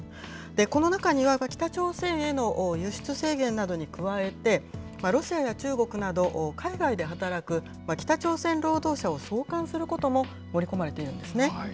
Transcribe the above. この中には、北朝鮮への輸出制限などに加えて、ロシアや中国など、海外で働く北朝鮮労働者を送還することも盛り込まれているんですね。